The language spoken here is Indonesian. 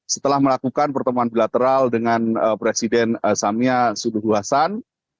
setelah melakukan pertemuan bilateral dengan presiden samya suluhu hasan